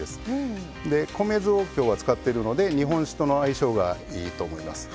で米酢を今日は使ってるので日本酒との相性がいいと思います。